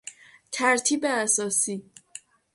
ترتیب اساسی